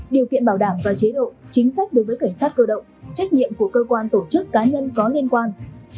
điều kiện bảo đảm và chế độ chính sách đối với cảnh sát cơ động trách nhiệm của cơ quan tổ chức cá nhân có liên quan